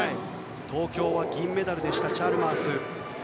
東京は銀メダルでしたチャルマース。